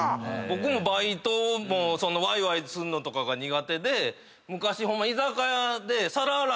僕もバイトもわいわいすんのとかが苦手で昔居酒屋で。